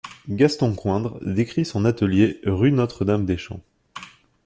Gaston Coindre décrit son atelier rue Notre Dame des Champs.